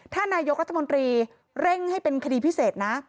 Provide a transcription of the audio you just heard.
ถ้านายกรัฐมนตรีเร่งให้เป็นคดีพิเศษนะ